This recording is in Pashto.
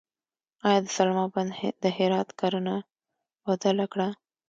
آیا د سلما بند د هرات کرنه بدله کړه؟